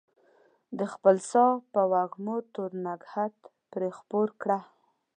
د خپل ساه په وږمو تور نګهت پرې خپور کړه